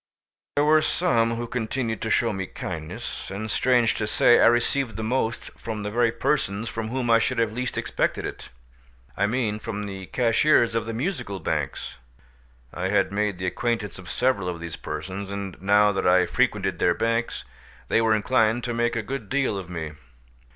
There were some who continued to show me kindness, and strange to say, I received the most from the very persons from whom I should have least expected it—I mean from the cashiers of the Musical Banks. I had made the acquaintance of several of these persons, and now that I frequented their bank, they were inclined to make a good deal of me.